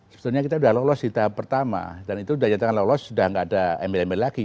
sebetulnya kita sudah lolos di tahap pertama dan itu sudah jatuhkan lolos sudah tidak ada embel embel lagi